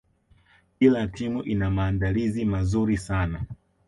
kila timu ina maandalizi mazuri sana